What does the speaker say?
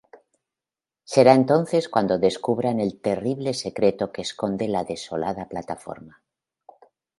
Será entonces cuando descubran el terrible secreto que esconde la desolada plataforma.